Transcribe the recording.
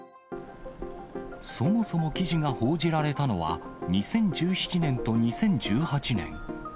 そもそも記事が報じられたのは、２０１７年と２０１８年。